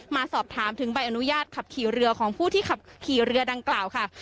มาสอบถามถึงใบอนุญาตขับขี่เรือของผู้ที่ขับขี่เรือดังกล่าวค่ะ